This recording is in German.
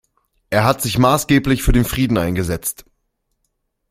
Er hat sich maßgeblich für den Frieden eingesetzt.